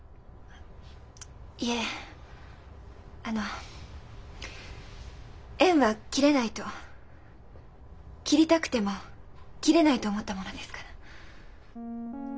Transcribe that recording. あっいえあの縁は切れないと切りたくても切れないと思ったものですから。